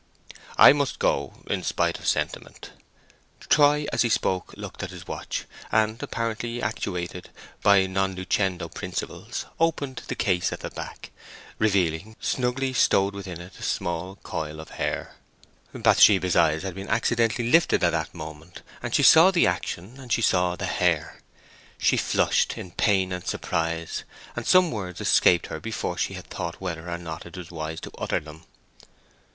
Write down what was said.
"I must go, in spite of sentiment." Troy, as he spoke, looked at his watch, and, apparently actuated by non lucendo principles, opened the case at the back, revealing, snugly stowed within it, a small coil of hair. Bathsheba's eyes had been accidentally lifted at that moment, and she saw the action and saw the hair. She flushed in pain and surprise, and some words escaped her before she had thought whether or not it was wise to utter them.